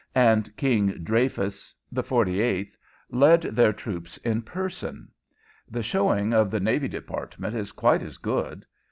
and King Dreyfus XLVIII. led their troops in person. The showing of the Navy Department is quite as good.